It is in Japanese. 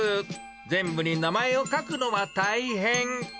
全部に名前を書くのは大変。